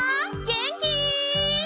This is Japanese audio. げんき？